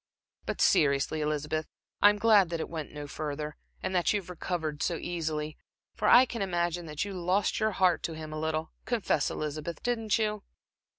But seriously, Elizabeth, I am glad that it went no further, and that you have recovered so easily. For I can imagine that you lost your heart to him a little. Confess, Elizabeth, didn't you?"